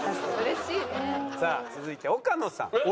さあ続いて岡野さん。